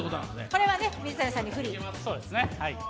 これは水谷さんに不利ですね。